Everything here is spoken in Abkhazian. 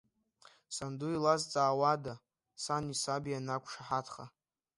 Санду илазҵаауада, сани саби анақәшаҳаҭха.